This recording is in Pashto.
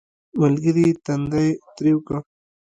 ملګري یې تندی ترېو کړ